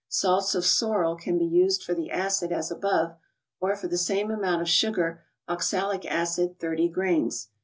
Salts of sorrel can be used for the acid as above, or for the same amount of sugar, oxalic acid thirty grains.